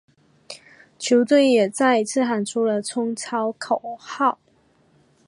球队也再一次喊出了冲超口号。